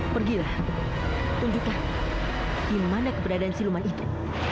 pergilah tunjukkan di mana keberadaan siluman itu